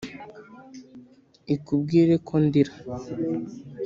ikubwire ko ndira